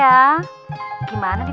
aku sudah berhasil